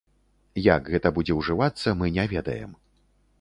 Як гэта будзе ўжывацца, мы не ведаем.